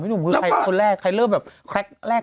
ไม่รู้คือใครคนแรกใครเริ่มแบบแคล็ก